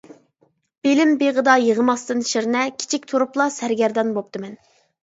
بېلىم بېغىدا يىغماستىن شىرنە، كىچىك تۇرۇپلا سەرگەردان بوپتىمەن.